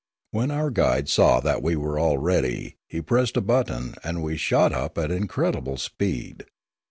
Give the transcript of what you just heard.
When our guide saw that we were all ready, he pressed a button, and we shot up at incredible speed.